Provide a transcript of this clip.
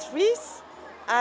tôi đến từ pháp